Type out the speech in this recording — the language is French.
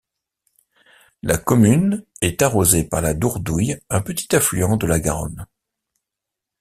La commune est arrosée par la Dourdouille un petit affluent de la Garonne.